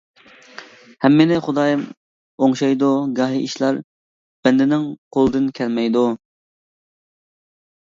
— ھەممىنى خۇدايىم ئوڭشايدۇ، گاھى ئىشلار بەندىنىڭ قولىدىن كەلمەيدۇ.